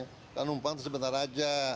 kita numpang itu sebentar aja